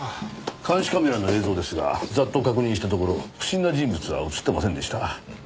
監視カメラの映像ですがざっと確認したところ不審な人物は映ってませんでした。